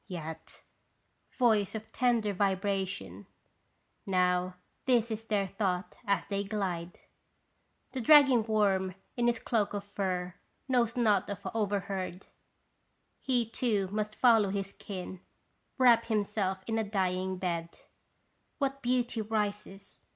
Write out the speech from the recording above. Yet Voice of tender vibration ! now this their thought as they glide : The dragging worm in his cloak of fur knows not of overhead, He, too, must follow his kin, wrap himself in a dying bed What beauty rises